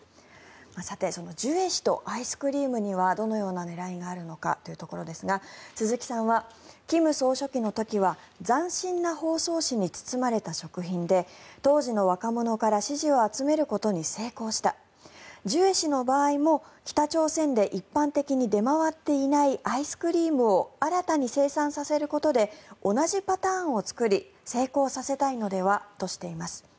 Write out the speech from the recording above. さて、そのジュエ氏とアイスクリームにはどのような狙いがあるのかですが鈴木さんは、金総書記の時は斬新な包装紙に包まれた食品で当時の若者から支持を集めることに成功したジュエ氏の場合も北朝鮮で一般的に出回っていないアイスクリームを新たに生産させることで同じパターンを作り成功させたいのではとしています。